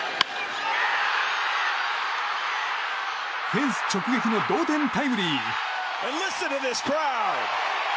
フェンス直撃の同点タイムリー！